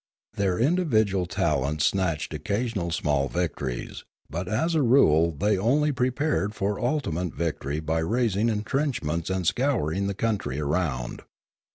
Their individual talents snatched occasional small victories, but as a rule they only prepared for ultimate victory by raising entrench ments and scouring the country around.